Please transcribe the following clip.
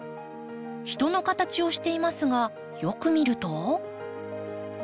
人の形をしていますがよく見ると。